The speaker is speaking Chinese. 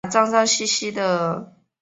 本科植物都是旱生型的。